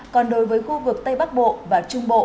còn đối với khu vực tây bắc bộ và trung bộ